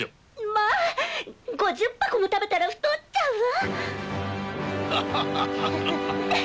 まあ５０箱も食べたら太っちゃうわ！